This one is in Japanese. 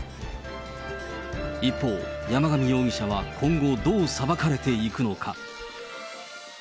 一方、山上容疑者は今後、どう裁かれていくのか。